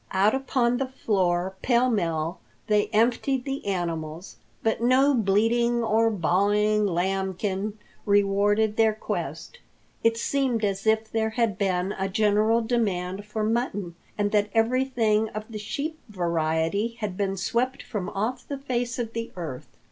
Out upon the floor pell mell they emptied the animals, but no bleating or baahing lambkin rewarded their quest. It seemed as if there had been a general demand for mutton and that everything of the sheep variety had been swept from off the face of the earth.